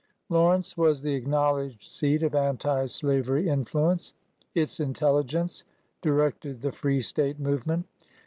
Lawrence was the acknowledged seat of anti slavery influence. Its intelligence directed . the free State move ment.